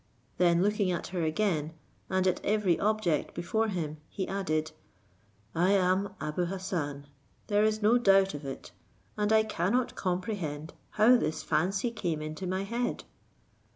Then looking at her again, and at every object before him, he added, "I am Abou Hassan, there is no doubt of it, and I cannot comprehend how this fancy came into my head."